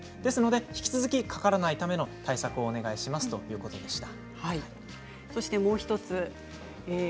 引き続きかからないための対策をお願いしますということでした。